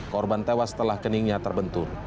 korban tewas setelah keningnya terbentur